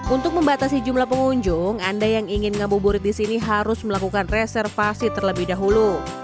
untuk membatasi jumlah pengunjung anda yang ingin ngabuburit di sini harus melakukan reservasi terlebih dahulu